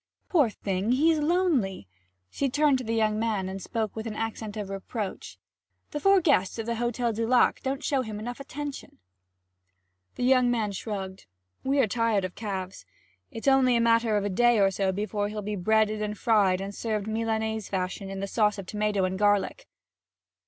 'Poor thing he's lonely!' She turned to the young man and spoke with an accent of reproach. 'The four guests of the Hotel du Lac don't show him enough attention.' The young man shrugged. 'We're tired of calves. It's only a matter of a day or so before he'll be breaded and fried and served Milanese fashion with a sauce of tomato and garlic.'